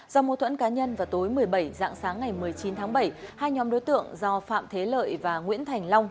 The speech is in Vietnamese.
do mô thuẫn cá nhân vào tối một mươi bảy dạng sáng ngày một mươi chín tháng bảy hai nhóm đối tượng do phạm thế lợi và nguyễn thành long